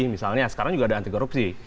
misalnya sekarang juga ada anti korupsi